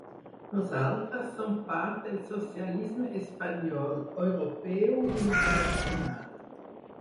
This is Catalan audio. Nosaltres som part del socialisme espanyol, europeu i internacional.